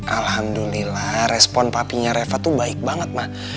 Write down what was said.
alhamdulillah respon papinya reva tuh baik banget mbak